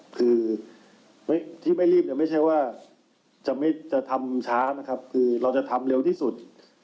คือที่ไม่รีบเนี่ยไม่ใช่ว่าจะทำช้านะครับคือเราจะทำเร็วที่สุด